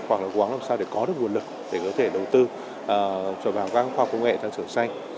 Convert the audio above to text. hoặc là quán làm sao để có được nguồn lực để có thể đầu tư vào các khoa công nghệ thăng trưởng xanh